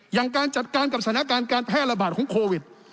อย่างการจัดการกับสถานการณ์การแพร่ระบาดของโควิด